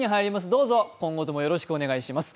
どうぞ今後ともよろしくお願いします。